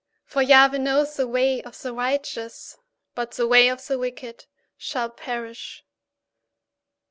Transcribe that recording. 6For Yahweh knows the way of the righteous, but the way of the wicked shall perish.